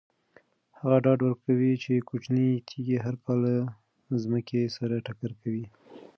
هغه ډاډ ورکوي چې کوچنۍ تیږې هر کال له ځمکې سره ټکر کوي.